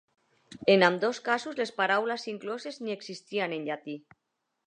En ambdós casos, les paraules incloses ni existien en llatí.